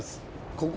ここ？